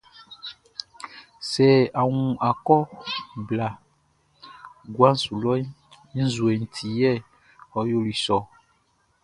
Sɛ a wun akɔ blaʼn guaʼn su lɔʼn, i nzuɛnʼn ti yɛ ɔ yoli sɔ ɔ.